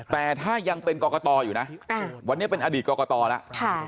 แต่ถ้ายังเป็นกรกตอยู่นะวันนี้เป็นอดีตกรกตแล้ว